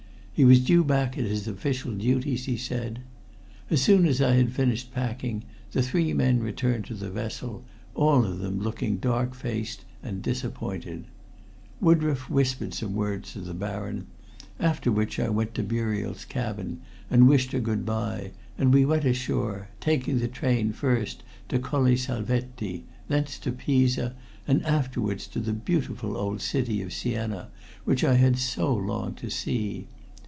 He was due back at his official duties, he said. As soon as I had finished packing, the three men returned to the vessel, all of them looking dark faced and disappointed. Woodroffe whispered some words to the Baron, after which I went to Muriel's cabin and wished her good bye, and we went ashore, taking the train first to Colle Salvetti, thence to Pisa, and afterwards to the beautiful old city of Siena, which I had so longed to see.